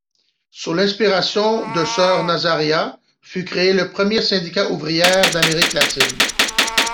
Sous l'inspiration de sœur Nazaria fut créée le premier syndicat d'ouvrières d'Amérique latine.